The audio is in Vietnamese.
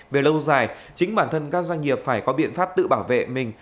về lâu dài chính bản thân các doanh nghiệp phải có biện pháp tự bảo vệ mình